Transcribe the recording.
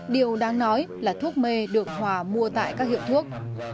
điều đáng nói là thuốc mê được hòa mua tại các hiệu thuốc